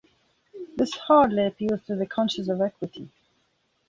This hardly appeals to the conscience of equity.